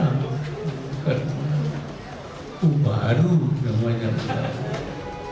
itu baru yang banyak